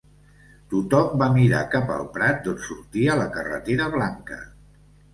Tothom va mirar cap el prat d'on sortia la carretera blanca.